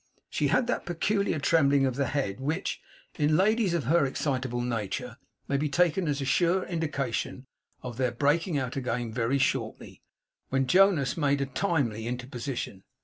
She had that peculiar trembling of the head which, in ladies of her excitable nature, may be taken as a sure indication of their breaking out again very shortly; when Jonas made a timely interposition.